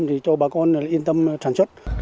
thì cho bà con